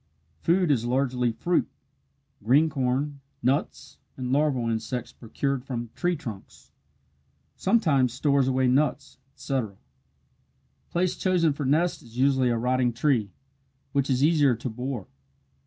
Food is largely fruit green corn, nuts, and larval insects procured from tree trunks. Sometimes stores away nuts, etc. Place chosen for nest is usually a rotting tree, which is easier to bore.